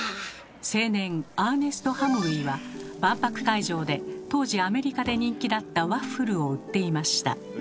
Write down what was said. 青年アーネスト・ハムウィは万博会場で当時アメリカで人気だったワッフルを売っていました。